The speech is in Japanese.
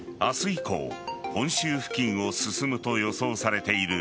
以降、本州付近を進むと予想されている。